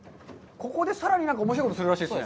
ここでさらにまたおもしろいことするらしいですね。